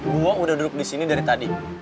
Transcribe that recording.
gue udah duduk disini dari tadi